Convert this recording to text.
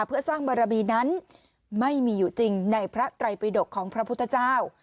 เพื่อสร้างบารมีนั้นไม่มีอยู่จริงในพระไตรปิดกของพระพุทธเจ้า